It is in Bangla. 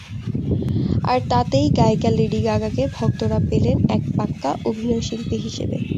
আর তাতেই গায়িকা লেডি গাগাকে ভক্তরা পেলেন এক পাক্কা অভিনয়শিল্পী হিসেবে।